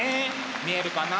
見えるかな？